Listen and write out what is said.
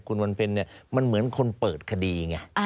คุณวันเพ็ญเนี่ยมันเหมือนคนเปิดคดีไง